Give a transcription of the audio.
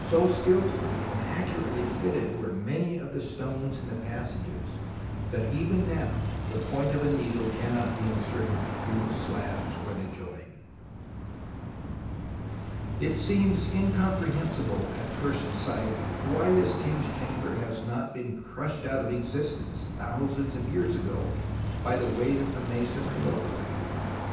So skilfully and accurately fitted were many of the stones in the passages, that even now the point of a needle cannot be inserted between the slabs where they join. It seems incomprehensible at first sight why this King's Chamber has not been crushed out of exist ence thousands of years ago by the weight of the masonry over it.